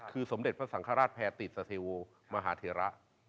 คือสมเด็จพระสังฆราชแพรติสเทโวมหาเทระ